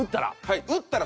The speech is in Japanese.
打ったら？